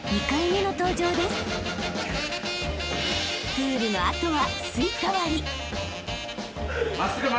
［プールの後は］